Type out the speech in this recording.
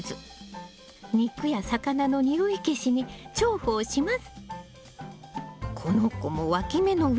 肉や魚の臭い消しに重宝します。